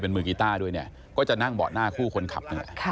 เป็นมือกีตาร์ด้วยก็จะนั่งเบาะหน้าคู่คนขับ